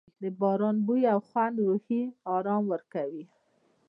د باران بوی او خوند روحي آرام ورکوي.